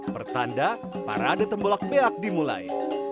bertanda parade tembolak beak dimulai